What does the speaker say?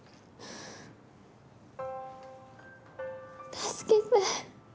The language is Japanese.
助けて。